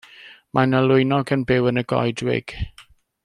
Mae 'na lwynog yn byw yn y goedwig.